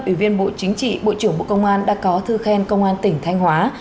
ủy viên bộ chính trị bộ trưởng bộ công an đã có thư khen công an tỉnh thanh hóa